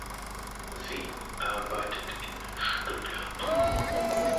Sie arbeitet in Stuttgart.